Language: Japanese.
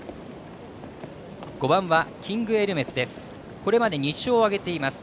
５番はキングエルメスです。